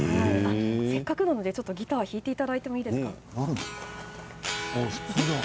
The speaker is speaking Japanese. せっかくなので弾いてみていただいていいですか？